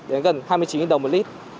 đến gần hai mươi chín đồng một lít